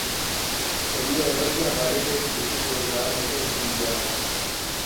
ربیع الاوّل کے حوالے سے ایک خصوصی پروگرام نشر کی گیا